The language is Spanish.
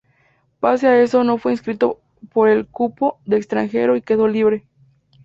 Pese a eso no fue inscrito por El cupo de extranjero y quedó libre.